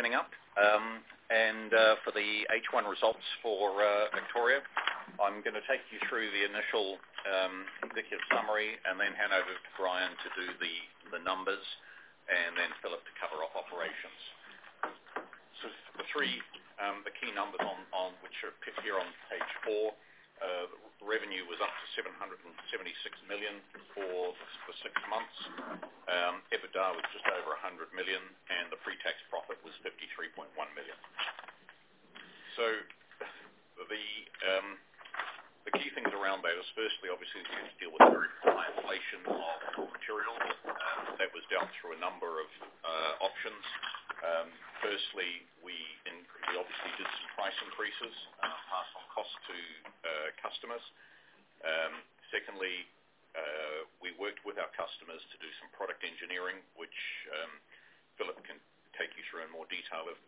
Spinning up. For the H1 results for Victoria, I'm gonna take you through the initial indicative summary, and then hand over to Brian to do the numbers, and then Philip to cover off operations. The three, the key numbers on which are here on page four, the revenue was up to 776 million for the six months. EBITDA was just over 100 million, and the pre-tax profit was 53.1 million. The key things around that is firstly, obviously, we had to deal with very high inflation of raw materials, that was down through a number of options. Firstly, we obviously did some price increases, passed on cost to customers. Secondly, we worked with our customers to do some product engineering, which Philip can take you through in more detail if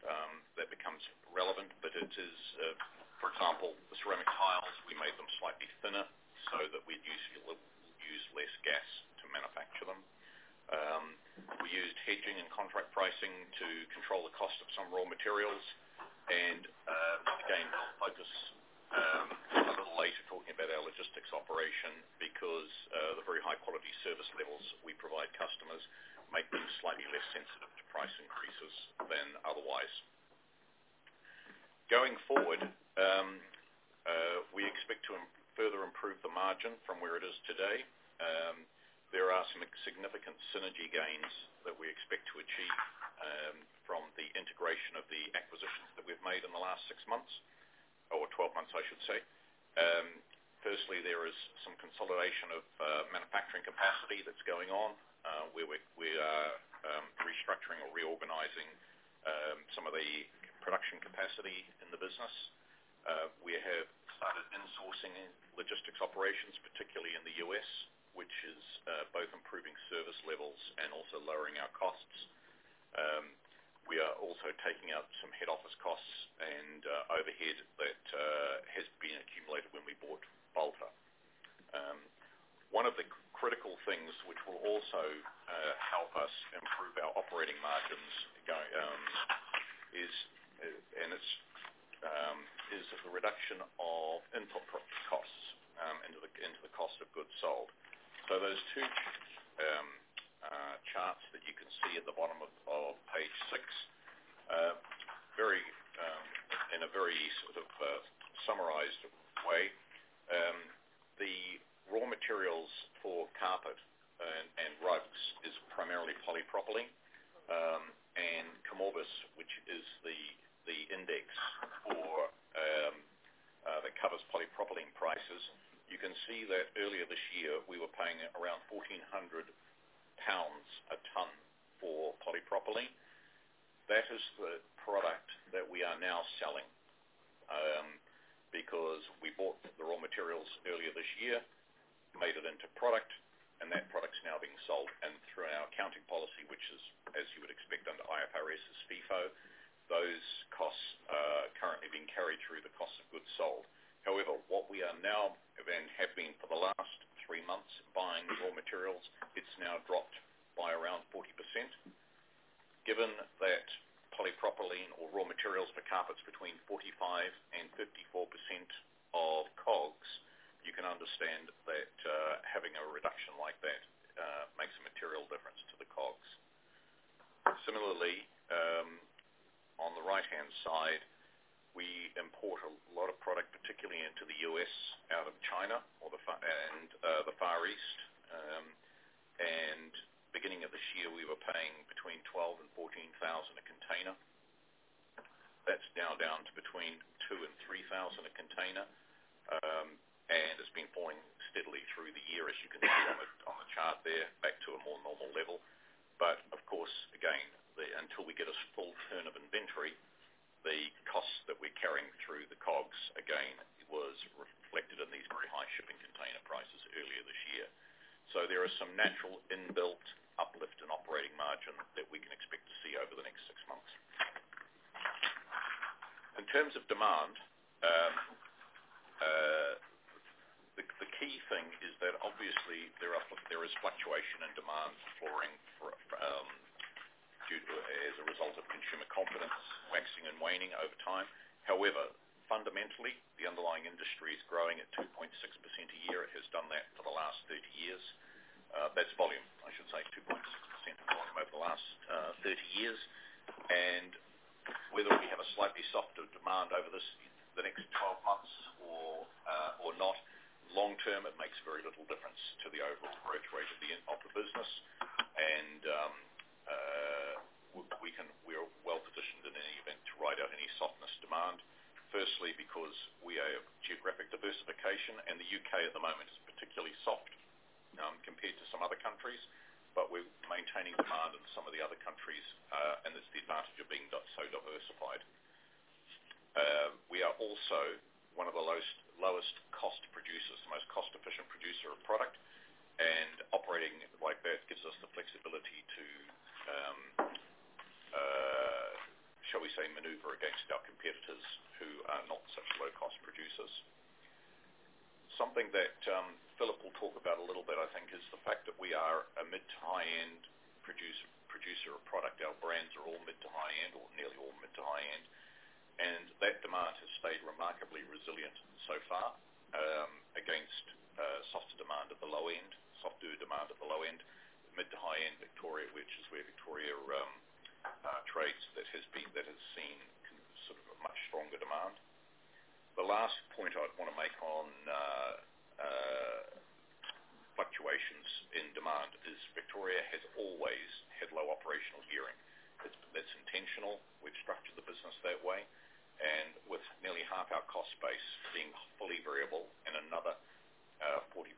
that becomes relevant. It is, which is both improving service levels and also lowering our costs. We are also taking out some head office costs and overhead that has been accumulated when we bought Balta. One of the critical things which will also help us improve our operating margins going is, and it's, is the reduction of input costs into the, into the cost of goods sold. Those two charts that you can see at the bottom of page six, very, in a very sort of, summarized way. The raw materials for carpet and rugs is primarily polypropylene, and ChemOrbis, which is the index for, that covers polypropylene prices. You can see that earlier this year, we were paying around 1,400 pounds a ton for polypropylene. That is the product that we are now selling, because we bought the raw materials earlier this year, made it into product, and that product's now being sold. Through our accounting policy, which is, as you would expect, under IFRS's FIFO, those costs are currently being carried through the cost of goods sold. What we are now and have been for the last three months buying raw materials, it's now dropped by around 40%. Given that polypropylene or raw materials for carpets between 45% and 54% of COGS, you can understand that having a reduction like that makes a material difference to the COGS. On the right-hand side, we import a lot of product, particularly into the U.S., out of China or the Far East. Beginning of this year, we were paying between $12,000 and $14,000 a container. That's now down to between $2,000 and $3,000 a container. It's been falling steadily through the year, as you can see on the chart there, back to a more normal level. Of course, again, until we get a full turn of inventory, the cost that we're carrying through the COGS, again, was reflected in these very high shipping container prices earlier this year. There are some natural inbuilt uplift in operating margin that we can expect to see over the next six months. In terms of demand, the key thing is that obviously there are, there is fluctuation in demand for flooring for due to, as a result of consumer confidence waxing and waning over time. However, fundamentally, the underlying industry is growing at 2.6% a year. It has done that for the last 30 years. That's volume, I should say, 2.6% of volume over the last 30 years. Whether we have a slightly softer demand over this, the next 12 months or not, long term, it makes very little difference to the overall growth rate of the business. We can, we are well positioned in any event to ride out any softness demand. Firstly, because we are a geographic diversification, and the U.K. at the moment is particularly soft, compared to some other countries, but we're maintaining demand in some of the other countries, and that's the advantage of being so diversified. We are also one of the lowest cost producers, the most cost-efficient producer of product. Operating like that gives us the flexibility to, shall we say, maneuver against our competitors who are not such low-cost producers. Something that Philip will talk about a little bit, I think, is the fact that we are a mid to high-end producer of product. Our brands are all mid to high-end or nearly all mid to high-end. That demand has stayed remarkably resilient so far, against softer demand at the low end. Mid to high-end Victoria, which is where Victoria trades, has seen sort of a much stronger demand. The last point I'd wanna make on fluctuations in demand is Victoria has always had low operational gearing. That's intentional. We've structured the business that way. With nearly half our cost base being fully variable and another, 40%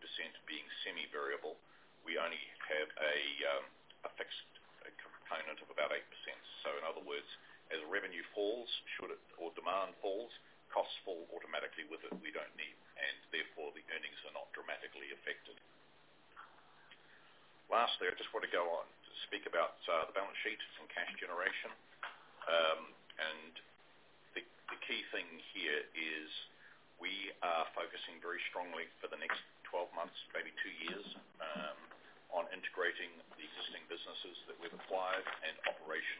being semi-variable, we only have a fixed component of about 8%. In other words, as revenue falls, should it or demand falls, costs fall automatically with it. We don't need, and therefore the earnings are not dramatically affected. Lastly, I just want to go on to speak about the balance sheet and cash generation. The key thing here is we are focusing very strongly for the next 12 months, maybe two years, on integrating the existing businesses that we've acquired and operational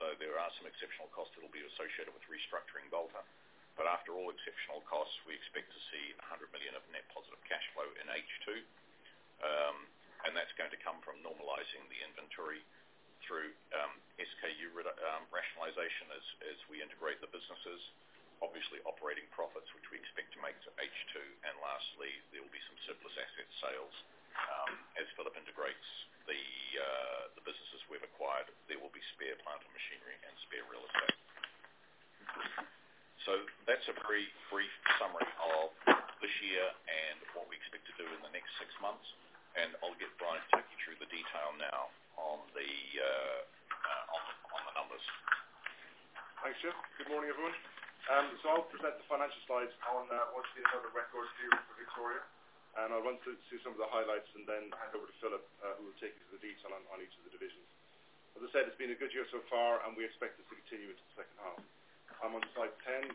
There are some exceptional costs that'll be associated with restructuring Balta. After all exceptional costs, we expect to see 100 million of net positive cash flow in H2. That's going to come from normalizing the inventory through SKU rationalization as we integrate the businesses, obviously operating profits, which we expect to make to H2. Lastly, there will be some surplus asset sales. As Philip integrates the businesses we've acquired, there will be spare plant and machinery and spare real estate. That's a pretty brief summary of this year and what we expect to do in the next six months. I'll get Brian to take you through the detail now on the numbers. Thanks, Geoff. Good morning, everyone. I'll present the financial slides on what's been a record year for Victoria. I want to see some of the highlights and then hand over to Philip, who will take you through the detail on each of the divisions. As I said, it's been a good year so far, and we expect it to continue into the second half. I'm on slide 10.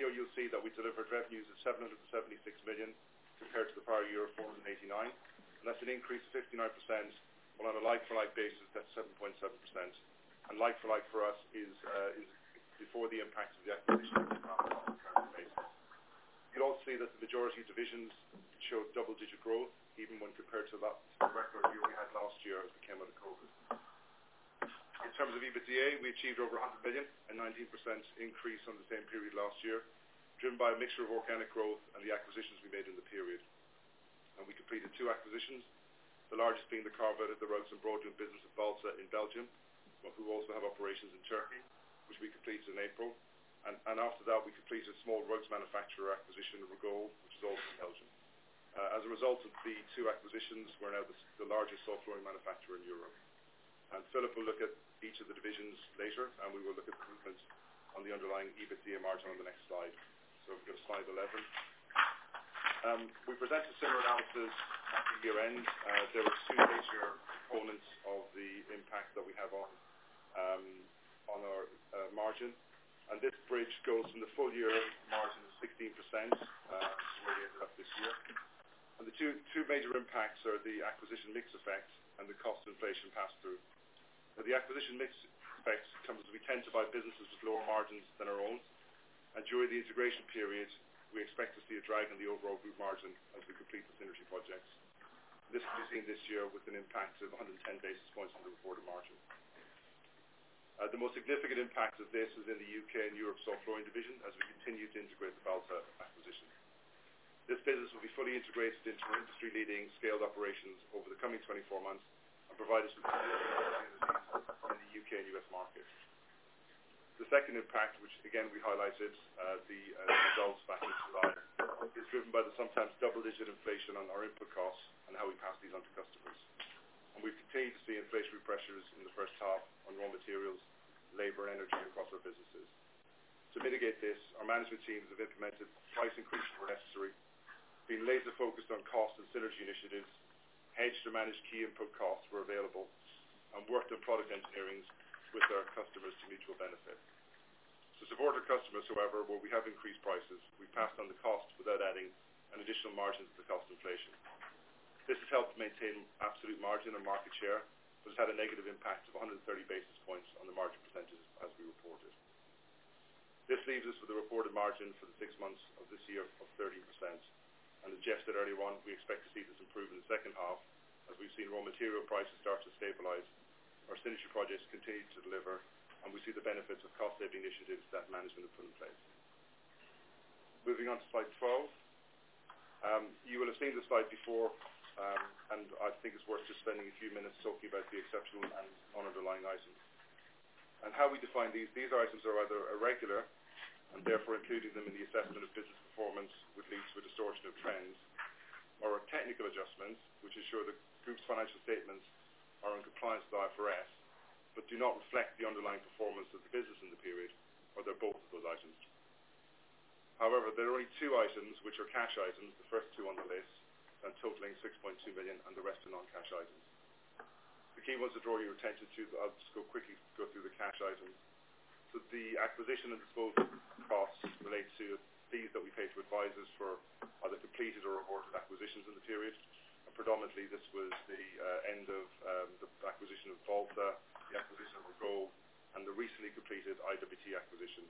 Here you'll see that we delivered revenues of 776 million compared to the prior year, 489 million. That's an increase of 59%, but on a like-for-like basis, that's 7.7%. Like for like for us is before the impact of the acquisition on a current basis. You'll also see that the majority of divisions showed double-digit growth, even when compared to that record year we had last year as we came out of COVID. In terms of EBITDA, we achieved over 100 million, a 19% increase on the same period last year, driven by a mixture of organic growth and the acquisitions we made in the period. We completed two acquisitions, the largest being the carve-out of the rugs and broadloom business of Balta in Belgium, but who also have operations in Turkey, which we completed in April. After that, we completed a small rugs manufacturer acquisition of Ragolle, which is also in Belgium. As a result of the two acquisitions, we're now the largest soft flooring manufacturer in Europe. Philip will look at each of the divisions later, and we will look at the improvements on the underlying EBITDA margin on the next slide. Go to slide 11. We presented similar analysis at the year-end. There were two major components of the impact that we have on our margin. This bridge goes from the full year margin of 16%, where we ended up this year. The two major impacts are the acquisition mix effect and the cost inflation pass-through. The acquisition mix effect comes as we tend to buy businesses with lower margins than our own. During the integration period, we expect to see a drag on the overall group margin as we complete the synergy projects. This we've seen this year with an impact of 110 basis points on the reported margin. The most significant impact of this is in the U.K. and Europe soft flooring division as we continue to integrate the Balta acquisition. This business will be fully integrated into our industry leading scaled operations over the coming 24 months and provide us with in the U.K. and U.S. market. The second impact, which again we highlighted, the results back in July, is driven by the sometimes double-digit inflation on our input costs and how we pass these on to customers. We've continued to see inflationary pressures in the first half on raw materials, labor, and energy across our businesses. To mitigate this, our management teams have implemented price increases where necessary. Being laser-focused on cost and synergy initiatives, hedged to manage key input costs where available, and worked on product [engineerings] with our customers to mutual benefit. To support our customers, however, where we have increased prices, we passed on the costs without adding an additional margin to the cost inflation. This has helped maintain absolute margin and market share, but it's had a negative impact of 130 basis points on the margin perecntage as we reported. This leaves us with a reported margin for the six months of this year of 13%. As Geoff said earlier on, we expect to see this improve in the second half as we've seen raw material prices start to stabilize, our synergy projects continue to deliver, and we see the benefits of cost-saving initiatives that management have put in place. Moving on to slide 12. You will have seen this slide before, I think it's worth just spending a few minutes talking about the exceptionals and on underlying items. How we define these. These items are either irregular and therefore including them in the assessment of business performance, which leads to a distortion of trends. Are technical adjustments, which ensure the group's financial statements are in compliance with IFRS, but do not reflect the underlying performance of the business in the period or they're both of those items. There are only two items which are cash items, the first two on the list, and totaling 6.2 million and the rest are non-cash items. The key ones to draw your attention to, but I'll just go quickly go through the cash items. The acquisition and disposal costs relate to fees that we pay to advisors for either completed or reported acquisitions in the period. Predominantly, this was the end of the acquisition of Balta, the acquisition of Ragolle, and the recently completed IWT acquisition.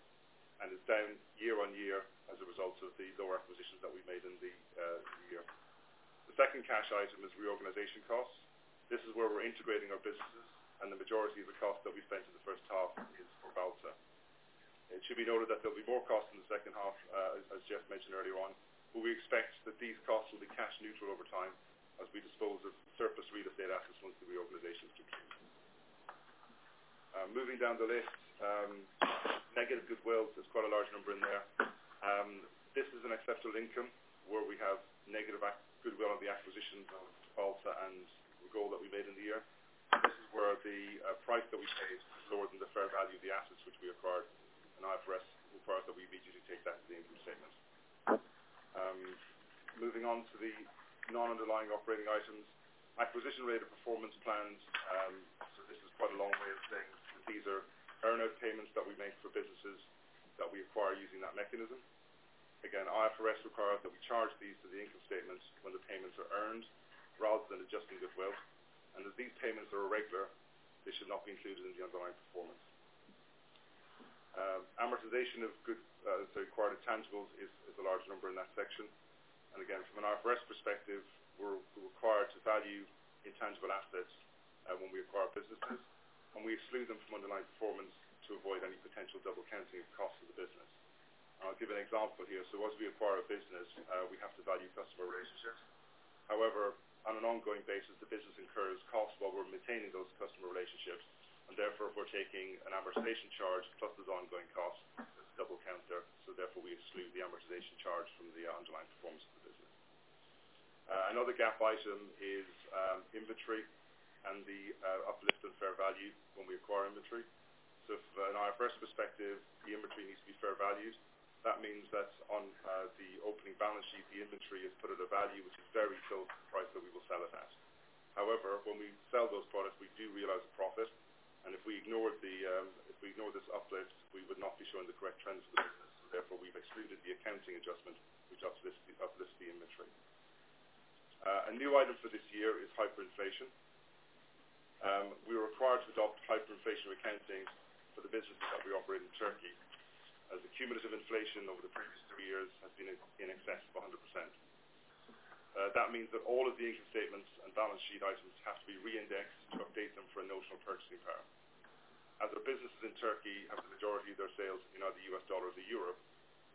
Is down year-on-year as a result of the lower acquisitions that we made in the year. The second cash item is reorganization costs. This is where we're integrating our businesses, and the majority of the cost that we face in the first half is for Balta. It should be noted that there'll be more costs in the second half, as Geoff mentioned earlier on. We expect that these costs will be cash neutral over time as we dispose of surplus real estate assets once the reorganization is complete. Moving down the list, negative goodwill, there's quite a large number in there. This is an exceptional income where we have negative goodwill on the acquisitions of Balta and Ragolle that we made in the year. This is where the price that we paid is lower than the fair value of the assets which we acquired and IFRS require that we usually take that to the income statement. Moving on to the non-underlying operating items. Acquisition-related performance plans. This is quite a long way of saying that these are earn-out payments that we make for businesses that we acquire using that mechanism. Again, IFRS require that we charge these to the income statements when the payments are earned rather than adjusting goodwill. As these payments are irregular, they should not be included in the underlying performance. Amortization of sorry, acquired tangibles is a large number in that section. Again, from an IFRS perspective, we're required to value intangible assets when we acquire businesses. We exclude them from underlying performance to avoid any potential double counting of costs of the business. I'll give an example here. Once we acquire a business, we have to value customer relationships. However, on an ongoing basis, the business incurs costs while we're maintaining those customer relationships, and therefore, if we're taking an amortization charge plus those ongoing costs, there's double count there. Therefore, we exclude the amortization charge from the underlying performance of the business. Another gap item is inventory and the uplift of fair value when we acquire inventory. From an IFRS perspective, the inventory needs to be fair valued. That means that on the opening balance sheet, the inventory is put at a value which is very close to the price that we will sell it at. When we sell those products, we do realize a profit, and if we ignore this uplift, we would not be showing the correct trends for the business. We've excluded the accounting adjustment which uplifts the inventory. A new item for this year is hyperinflation. We were required to adopt hyperinflation accounting for the businesses that we operate in Turkey. The cumulative inflation over the previous three years has been in excess of 100%. That means that all of the income statements and balance sheet items have to be re-indexed to update them for a notional purchasing power. As our businesses in Turkey have the majority of their sales in either U.S. dollar or the euro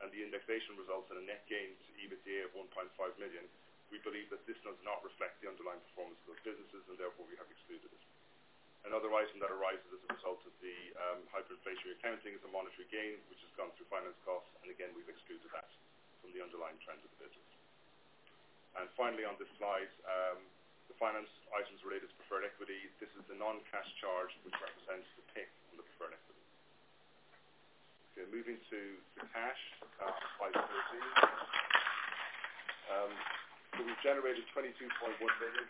and the indexation results in a net gain to EBITDA of 1.5 million, we believe that this does not reflect the underlying performance of those businesses. Therefore, we have excluded it. Another item that arises as a result of the hyperinflationary accounting is the monetary gain which has gone through finance costs. Again, we've excluded that from the underlying trends of the business. Finally, on this slide, the finance items related to preferred equity. This is the non-cash charge which represents the pick on the. Okay, moving to the cash, slide 13. We generated 22.1 billion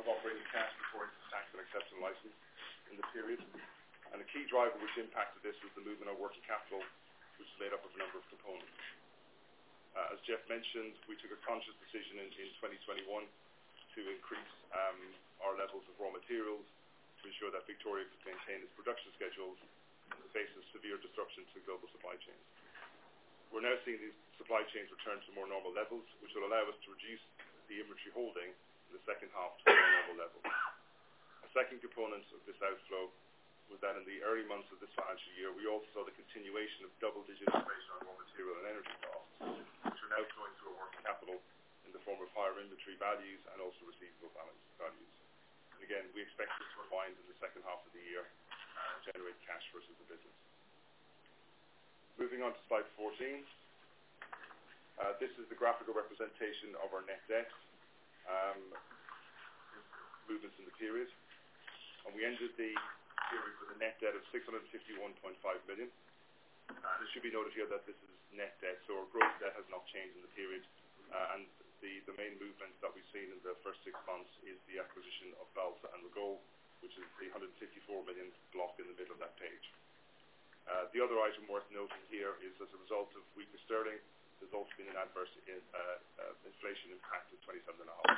of operating cash before interest, tax, and exceptional items in the period. The key driver which impacted this was the movement of working capital, which is made up of a number of components. As Geoff mentioned, we took a conscious decision in 2021 to increase our levels of raw materials to ensure that Victoria could maintain its production schedules in the face of severe disruption to global supply chains. We're now seeing these supply chains return to more normal levels, which will allow us to reduce the inventory holding in the second half to more normal levels. A second component of this outflow was that in the early months of this financial year, we also saw the continuation of double-digit inflation on raw material and energy costs, which are now going through a working capital in the form of higher inventory values and also receivable balances values. Again, we expect this to wind in the second half of the year and generate cash flows into the business. Moving on to slide 14. This is the graphical representation of our net debt movements in the period. We ended the period with a net debt of 651.5 million. It should be noted here that this is net debt, so our gross debt has not changed in the period. The main movement that we've seen in the first six months is the acquisition of Balta and Ragolle, which is the 354 million block in the middle of that page. The other item worth noting here is as a result of weaker sterling, there's also been an adverse inflation impact of 27 million.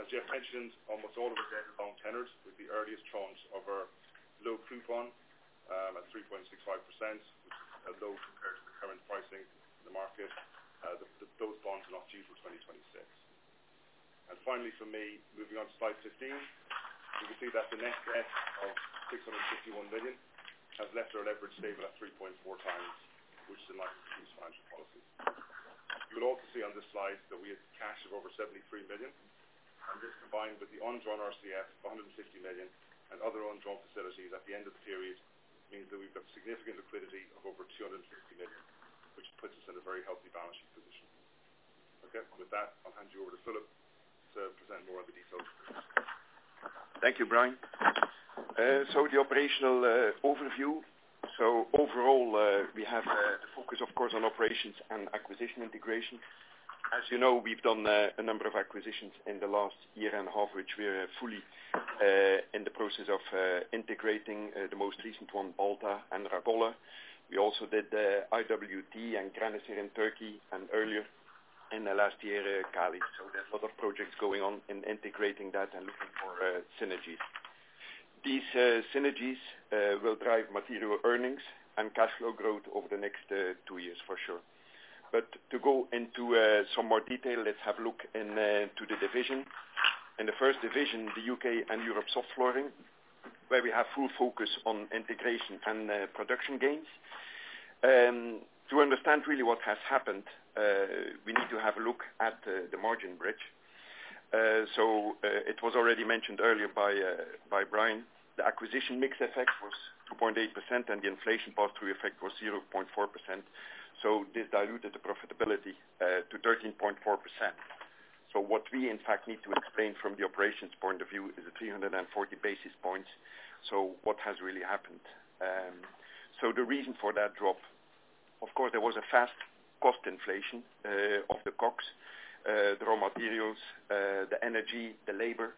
As Geoff mentioned, almost all of our debt is long tenors with the earliest tranches of our low coupon, at 3.65%, which is low compared to the current pricing in the market. Those bonds are not due till 2026. Finally from me, moving on to slide 15, you can see that the net debt of 661 million has left our leverage stable at 3.4x, which is in line [with Victoria's] financial policy. You will also see on this slide that we have cash of over 73 million, and this combined with the undrawn RCF of 160 million and other undrawn facilities at the end of the period, means that we've got significant liquidity of over 250 million, which puts us in a very healthy balancing position. Okay. With that, I'll hand you over to Philip to present more of the details. Thank you, Brian. The operational overview. Overall, we have the focus of course on operations and acquisition integration. As you know, we've done a number of acquisitions in the last year and a half, which we are fully in the process of integrating, the most recent one, Balta and Ragolle. We also did IWT and Graniser in Turkey and earlier in the last year, Cali. There's a lot of projects going on in integrating that and looking for synergies. These synergies will drive material earnings and cash flow growth over the next two years for sure. To go into some more detail, let's have a look into the division. In the first division, the U.K. and Europe soft flooring, where we have full focus on integration and production gains. To understand really what has happened, we need to have a look at the margin bridge. It was already mentioned earlier by Brian, the acquisition mix effect was 2.8%, and the inflation pass-through effect was 0.4%. This diluted the profitability to 13.4%. What we in fact need to explain from the operations point of view is the 340 basis points. What has really happened? The reason for that drop, of course, there was a fast cost inflation of the COGS, the raw materials, the energy, the labor.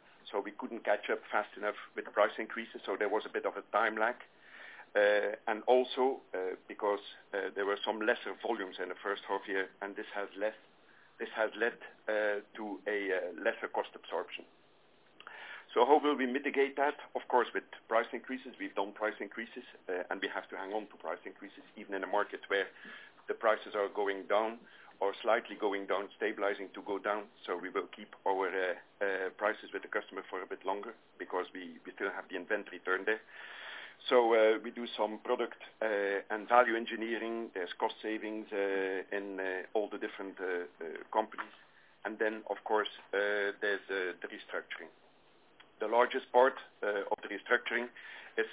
We couldn't catch up fast enough with the price increases, so there was a bit of a time lag. And also, because there were some lesser volumes in the first half year, and this has led to a lesser cost absorption. How will we mitigate that? Of course, with price increases. We've done price increases, and we have to hang on to price increases, even in a market where the prices are going down or slightly going down, stabilizing to go down. We will keep our prices with the customer for a bit longer because we still have the inventory turn there. We do some product and value engineering. There's cost savings in all the different companies. Of course, there's the restructuring. The largest part of the restructuring is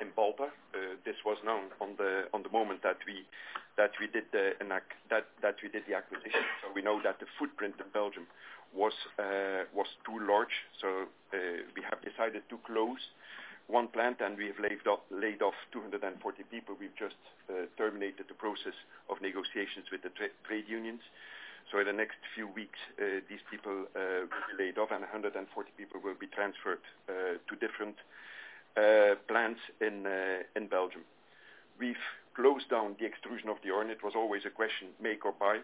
in Balta. This was known on the moment that we, that we did the acquisition. We know that the footprint in Belgium was too large. We have decided to close one plant, and we have laid off 240 people. We've just terminated the process of negotiations with the trade unions. In the next few weeks, these people will be laid off and 140 people will be transferred to different plants in Belgium. We've closed down the extrusion of the yarn. It was always a question, make or buy.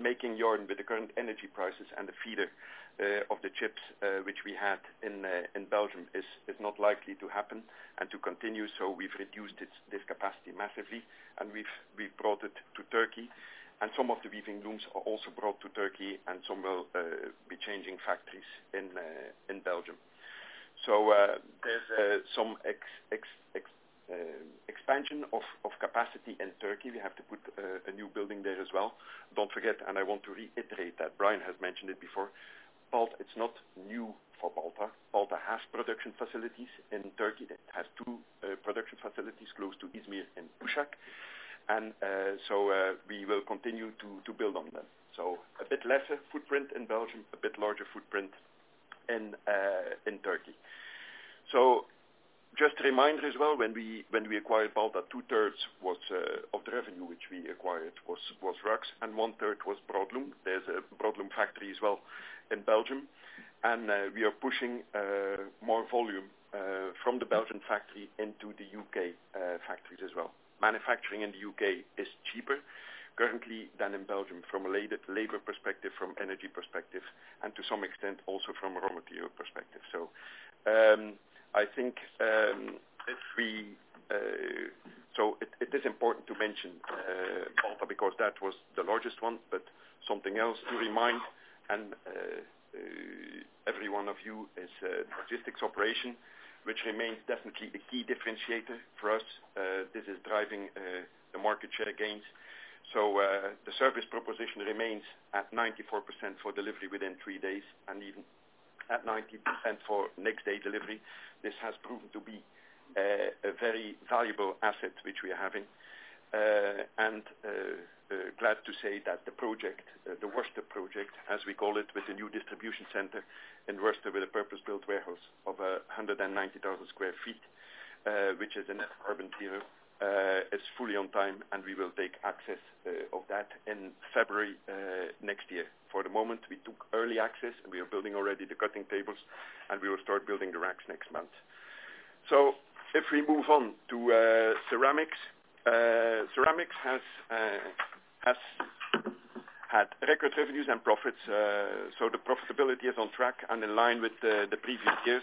Making yarn with the current energy prices and the feeder of the chips, which we had in Belgium is not likely to happen and to continue. We've reduced this capacity massively, and we've brought it to Turkey. Some of the weaving looms are also brought to Turkey, and some will be changing factories in Belgium. There's some expansion of capacity in Turkey. We have to put a new building there as well. Don't forget, and I want to reiterate that Brian has mentioned it before. It's not new for Balta. Balta has production facilities in Turkey. It has two production facilities close to Izmir and Uşak. We will continue to build on that. A bit lesser footprint in Belgium, a bit larger footprint in Turkey. Just a reminder as well, when we acquired Balta, 2/3 was of the revenue which we acquired was rugs and 1/3 was Broadloom. There's a Broadloom factory as well in Belgium, we are pushing more volume from the Belgian factory into the U.K. factories as well. Manufacturing in the U.K. is cheaper currently than in Belgium from a labor perspective, from energy perspective, and to some extent also from a raw material perspective. I think it is important to mention Balta because that was the largest one. Something else to remind every one of you is logistics operation, which remains definitely a key differentiator for us. This is driving the market share gains. The service proposition remains at 94% for delivery within three days and even at 90% for next day delivery. This has proven to be a very valuable asset which we are having. Glad to say that the project, the Worcester project, as we call it, with a new distribution center in Worcester, with a purpose-built warehouse of 190,000 sq ft, which is a net carbon zero, is fully on time, and we will take access of that in February next year. For the moment, we took early access, and we are building already the cutting tables, and we will start building the racks next month. If we move on to ceramics. Ceramics has had record revenues and profits. The profitability is on track and in line with the previous years.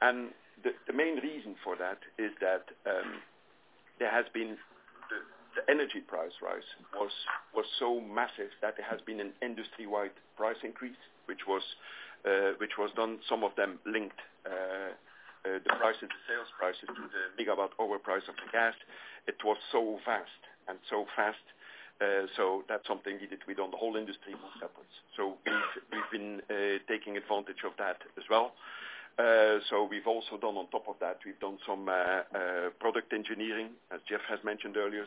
The main reason for that is that there has been the energy price rise was so massive that there has been an industry-wide price increase, which was done, some of them linked the price of the sales prices to the big about overprice of the gas. It was so vast and so fast. That's something we did. We done the whole industry was separate. We've been taking advantage of that as well. We've also done on top of that, we've done some product engineering, as Geoff has mentioned earlier.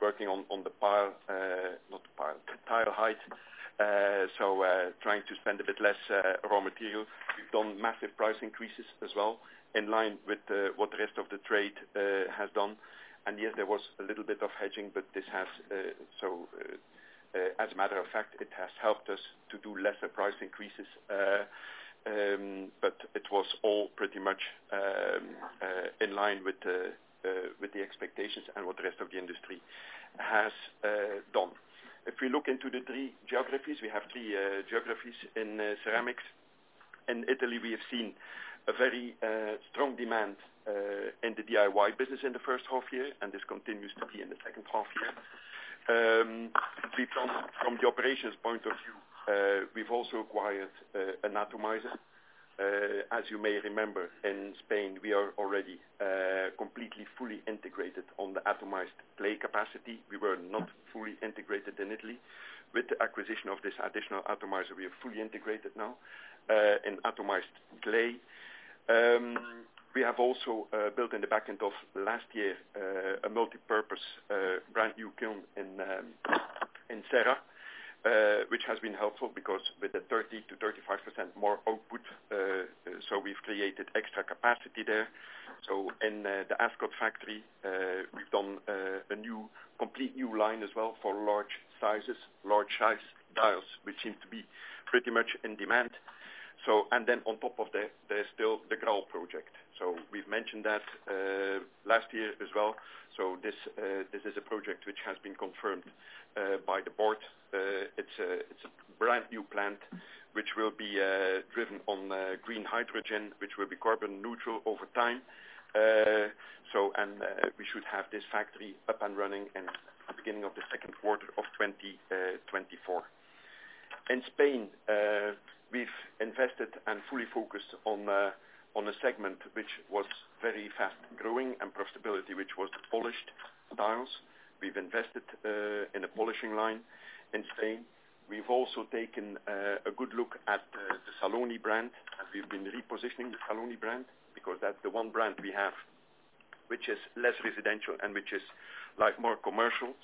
Working on the pile, not the pile, tile height. Trying to spend a bit less raw material. We've done massive price increases as well in line with what the rest of the trade has done. Yes, there was a little bit of hedging, but this has, as a matter of fact, it has helped us to do lesser price increases. It was all pretty much in line with the expectations and what the rest of the industry has done. If we look into the three geographies, we have three geographies in ceramics. In Italy, we have seen a very strong demand in the DIY business in the first half year, and this continues to be in the second half year. From the operations point of view, we've also acquired an atomizer. As you may remember, in Spain, we are already completely, fully integrated on the atomized clay capacity. We were not fully integrated in Italy. With the acquisition of this additional atomizer, we are fully integrated now in atomized clay. We have also built in the back end of last year a multipurpose, brand new kiln in Serra, which has been helpful because with the 30%-35% more output, we've created extra capacity there. In the Ascot factory, we've done a new, complete new line as well for large sizes, large size tiles, which seem to be pretty much in demand. On top of that, there's still the Grow project. We've mentioned that last year as well. This is a project which has been confirmed by the board. It's a brand new plant which will be driven on green hydrogen, which will be carbon neutral over time. We should have this factory up and running in the beginning of the second quarter of 2024. In Spain, we've invested and fully focused on a segment which was very fast growing and profitability, which was the polished tiles. We've invested in a polishing line in Spain. We've also taken a good look at the Saloni brand, and we've been repositioning the Saloni brand because that's the one brand we have, which is less residential and which is like more commercial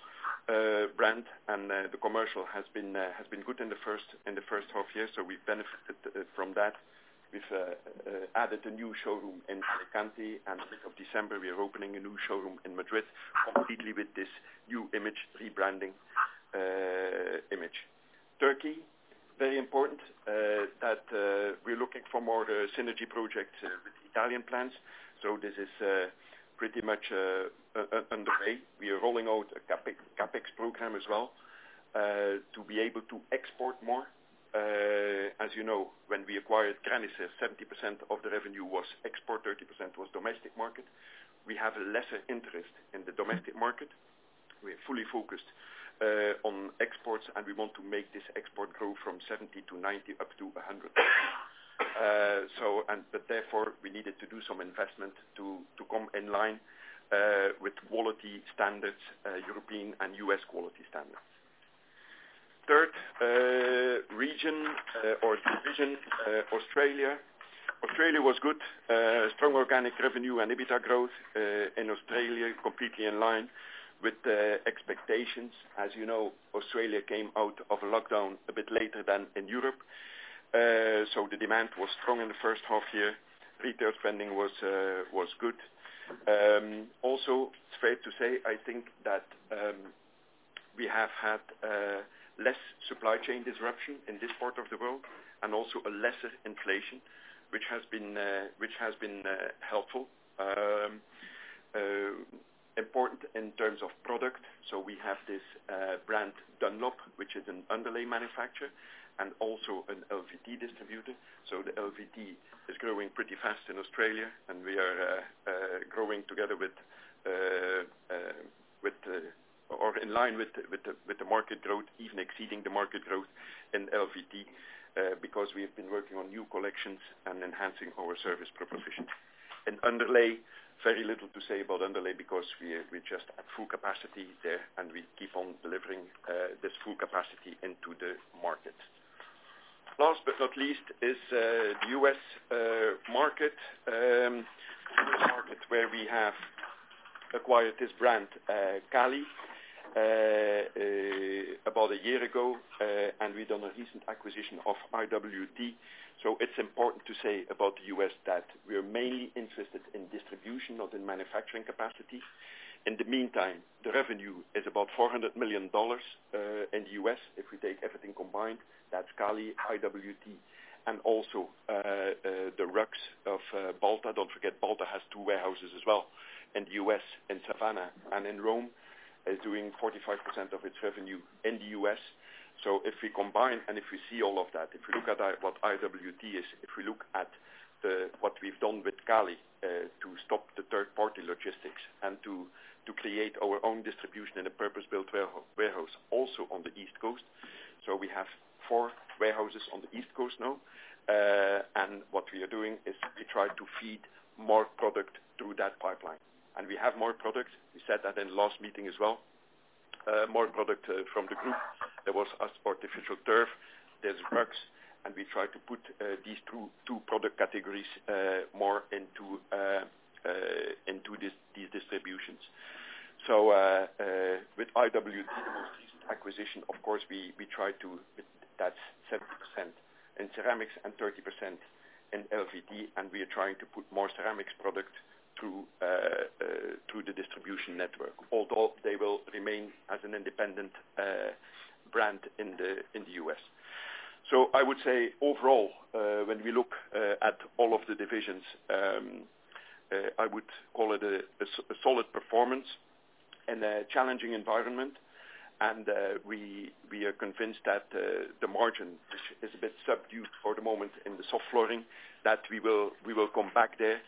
brand. The commercial has been good in the first, in the first half year. We've benefited from that. We've added a new showroom in Alicante, and fifth of December, we are opening a new showroom in Madrid completely with this new image rebranding image. Turkey, very important that we're looking for more synergy projects with Italian plants. This is pretty much underway. We are rolling out a Capex program as well to be able to export more. As you know, when we acquired Graniser, 70% of the revenue was export, 30% was domestic market. We have a lesser interest in the domestic market. We are fully focused on exports, and we want to make this export grow from 70%-90% up to 100%. Therefore, we needed to do some investment to come in line with quality standards, European and U.S. quality standards. Third, region or division, Australia. Australia was good. Strong organic revenue and EBITDA growth in Australia, completely in line with the expectations. As you know, Australia came out of lockdown a bit later than in Europe. The demand was strong in the first half year. Retail spending was good. Also it's fair to say, I think that we have had less supply chain disruption in this part of the world and also a lesser inflation, which has been helpful. Important in terms of product. We have this brand Dunlop, which is an underlay manufacturer and also an LVT distributor. The LVT is growing pretty fast in Australia and we are growing together or in line with the market growth, even exceeding the market growth in LVT because we have been working on new collections and enhancing our service proposition. In underlay, very little to say about underlay because we just at full capacity there, and we keep on delivering this full capacity into the market. Last but not least is the U.S. market. U.S. market where we have acquired this brand, Cali, about a year ago, and we've done a recent acquisition of IWT. It's important to say about the U.S. that we are mainly interested in distribution, not in manufacturing capacity. In the meantime, the revenue is about $400 million in the U.S. if we take everything combined. That's Cali, IWT, and also the rugs of Balta. Don't forget Balta has two warehouses as well in the U.S., in Savannah and in Rome, is doing 45% of its revenue in the U.S. If we combine and if we see all of that, if we look at what IWT is, if we look at what we've done with Cali, to stop the third party logistics and to create our own distribution in a purpose-built warehouse, also on the East Coast. We have four warehouses on the East Coast now. What we are doing is we try to feed more product through that pipeline. We have more products. We said that in last meeting as well. More product from the group. There was artificial turf, there's rugs, and we try to put these two product categories more into these distributions. With IWT, the most recent acquisition, of course, That's 7% in ceramics and 30% in LVT, and we are trying to put more ceramics product through the distribution network, although they will remain as an independent brand in the U.S. I would say overall, when we look at all of the divisions, I would call it a solid performance in a challenging environment. We are convinced that the margin is a bit subdued for the moment in the soft flooring, that we will come back there.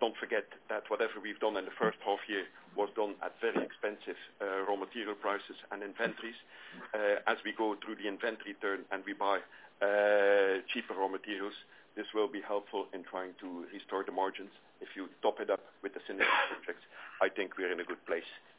Don't forget that whatever we've done in the first half year was done at very expensive raw material prices and inventories. As we go through the inventory turn and we buy cheaper raw materials, this will be helpful in trying to restore the margins. If you top it up with the synergy effects, I think we're in a good place. Yeah.